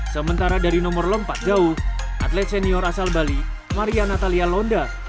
sementara dari nomor lompat jauh atlet senior asal bali maria natalia londa